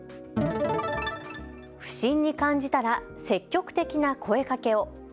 不審に感じたら積極的な声かけを。